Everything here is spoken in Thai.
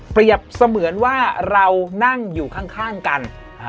เสมือนว่าเรานั่งอยู่ข้างกัน